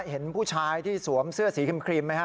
เห็นผู้ชายที่สวมเสื้อสีครีมไหมฮะ